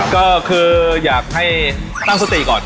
ก็คืออยากให้ตั้งสติก่อน